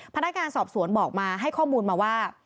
พนักงานสอบสวนบอกมาให้ข้อมูลมาว่า